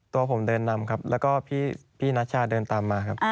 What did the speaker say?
ตัวผมเดินนำครับแล้วก็พี่นัชชาเดินตามมาครับ